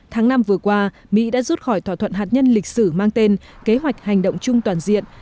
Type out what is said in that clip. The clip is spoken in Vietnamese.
tháng năm vừa qua mỹ đã rút khỏi thỏa thuận hạt nhân lịch sử mang tên kế hoạch hành động chung toàn diện